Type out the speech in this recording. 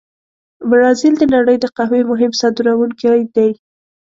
برازیل د نړۍ د قهوې مهم صادرونکي دي.